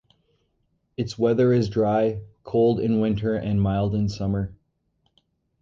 Its weather is dry, cold in winter and mild in summer.